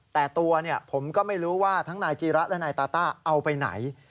แต่ตัวผมก็ไม่รู้ว่าทั้งนายจีระและนายตาต้าเอาไปไหน